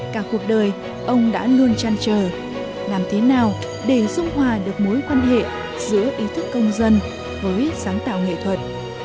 cả cuộc đời ông đã luôn chăn trở làm thế nào để dung hòa được mối quan hệ giữa ý thức công dân với sáng tạo nghệ thuật